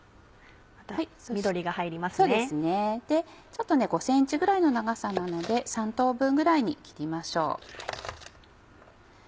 ちょっと５ｃｍぐらいの長さなので３等分ぐらいに切りましょう。